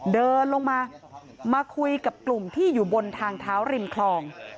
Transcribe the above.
เดินลงมามาคุยกับกลุ่มที่อยู่บนทางเท้าริมคลอง